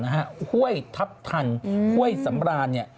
ห้วยทัพทันห้วยสำรานเนี่ย